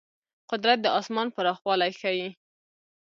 قدرت د آسمان پراخوالی ښيي.